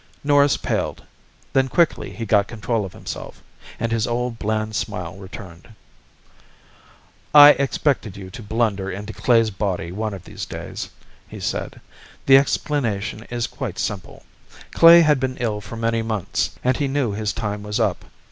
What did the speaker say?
Norris paled. Then quickly he got control of himself, and his old bland smile returned. "I expected you to blunder into Klae's body one of these days," he said. "The explanation is quite simple. Klae had been ill for many months, and he knew his time was up.